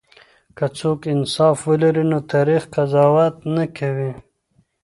که څوک انصاف ولري نو تريخ قضاوت نه کوي.